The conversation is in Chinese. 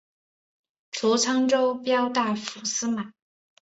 除沧州骠大府司马。